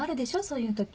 そういう時。